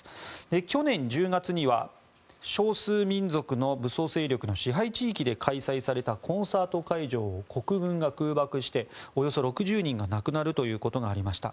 去年１０月には少数民族の武装勢力の支配地域で開催されたコンサート会場を国軍が空爆しておよそ６０人が亡くなるということがありました。